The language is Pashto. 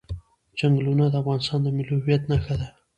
چنګلونه د افغانستان د ملي هویت نښه ده.